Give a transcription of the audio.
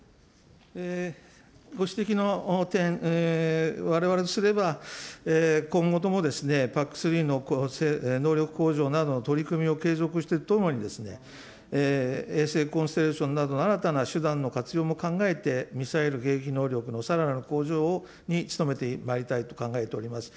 ご指摘の点、われわれとすれば、今後ともＰＡＣ３の能力向上などの取り組みを継続していくとともに、衛星コンステレーションなど新たな手段の活用も考えて、ミサイル迎撃能力のさらなる向上に努めてまいりたいと考えております。